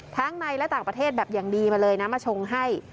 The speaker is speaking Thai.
ทั้งในและต่างประเทศแบบอย่างดีมาเลยนะมาชงให้